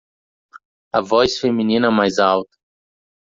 A voz feminina mais alta